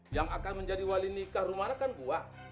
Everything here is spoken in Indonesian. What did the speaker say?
yang akan menjadi wali nikah rumana kan gue